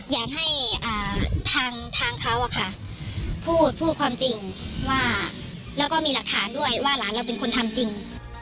อยากให้ทางเขาพูดพูดความจริงว่าแล้วก็มีหลักฐานด้วยว่าหลานเราเป็นคนทำจริง